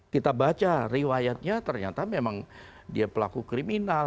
kita baca riwayatnya ternyata memang dia pelaku kriminal